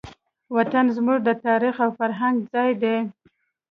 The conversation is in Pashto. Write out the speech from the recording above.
وطن زموږ د تاریخ او فرهنګ ځای دی.